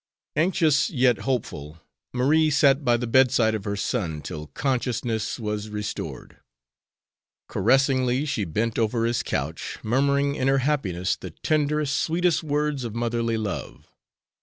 Anxious, yet hopeful, Marie sat by the bedside of her son till consciousness was restored. Caressingly she bent over his couch, murmuring in her happiness the tenderest, sweetest words of motherly love.